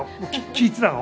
聞いてたの？